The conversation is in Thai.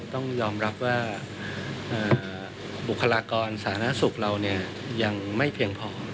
ต้องยอมรับว่าบุคลากรสาธารณสุขเรายังไม่เพียงพอ